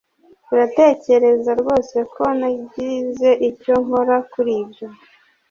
Uratekereza rwose ko nagize icyo nkora kuri ibyo?